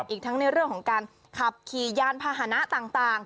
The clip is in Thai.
อีกทั้งในเรื่องของการขับขี่ยานพาหนะต่าง